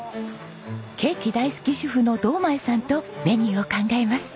ケーキ大好き主婦の堂前さんとメニューを考えます。